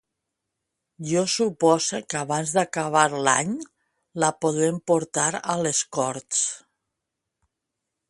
Jo supose que abans d’acabar l’any la podrem portar a les corts.